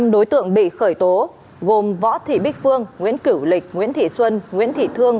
năm đối tượng bị khởi tố gồm võ thị bích phương nguyễn cửu lịch nguyễn thị xuân nguyễn thị thương